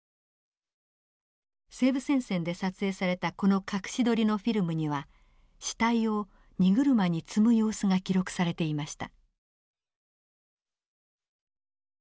西部戦線で撮影されたこの隠し撮りのフィルムには死体を荷車に積む様子が記録されていました。